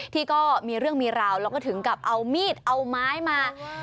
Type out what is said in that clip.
ที่ก็มีเรื่องมีราวแล้วก็ถึงกับเอามีดเอาไม้มา